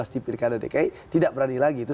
di pilkada dki tidak berani lagi itu